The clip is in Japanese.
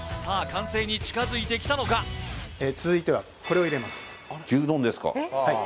完成に近づいてきたのか続いてはこれを入れます牛丼ですかはい